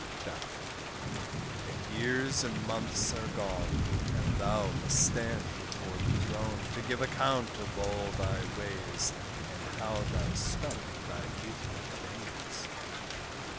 DEATH. And years and months are gone, And thou must stand before the throne, To give account of all thy ways, And how thou spent thy youthful days.